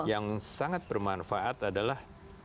yang sangat bermanfaat adalah